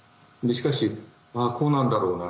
しかし、ああ、こうなんだろうな